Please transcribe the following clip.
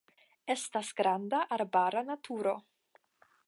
Estas granda arbara naturo.